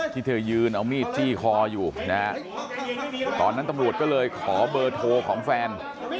ที่เธอยืนเอามีดจี้คออยู่นะฮะตอนนั้นตำรวจก็เลยขอเบอร์โทรของแฟน